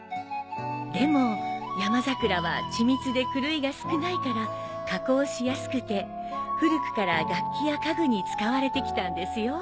でも山桜は緻密で狂いが少ないから加工しやすくて古くから楽器や家具に使われてきたんですよ。